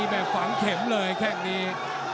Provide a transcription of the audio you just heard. แบบฝังเข็มเลยแค่งนี้